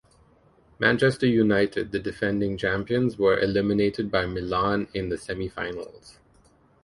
Manchester United, the defending champions, were eliminated by Milan in the semi-finals.